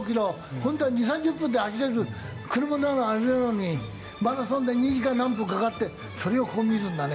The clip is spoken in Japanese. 本当は２０３０分で走れる車ならあれなのにマラソンで２時間何分かかってそれをこう見るんだね。